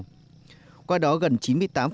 các nhóm tiếp tục tái đầu tư cho các chu kỳ tiếp theo